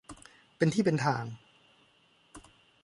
เป็นที่เป็นทาง